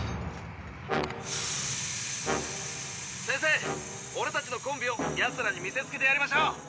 先生オレたちのコンビをやつらに見せつけてやりましょう。